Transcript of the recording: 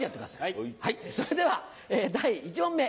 はいそれでは第１問目。